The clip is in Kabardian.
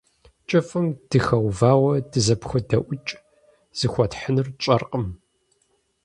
КӀыфӀым дыхэувауэ, дызэпходэӀукӀ – зыхуэтхьынур тщӀэркъым.